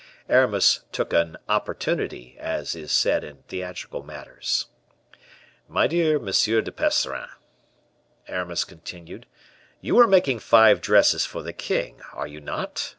Aramis took an "opportunity," as is said in theatrical matters. "My dear M. de Percerin," Aramis continued, "you are making five dresses for the king, are you not?